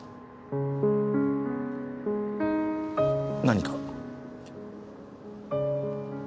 何か？